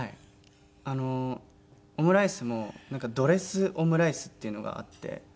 あのオムライスもなんかドレスオムライスっていうのがあって。